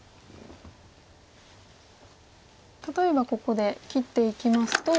例えばここで切っていきますと。